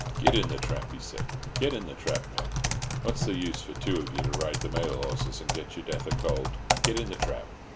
"Get in the trap," he said. "Get in the trap, man. What's the use for two of ye to ride the mail horses, and get your death o' cold? Get in the trap!"